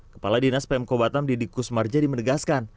kepala dinas pmk batam didik kusmar jadi menegaskan